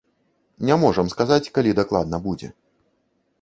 Не можам сказаць, калі дакладна будзе.